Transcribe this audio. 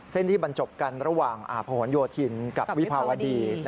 ที่บรรจบกันระหว่างผนโยธินกับวิภาวดี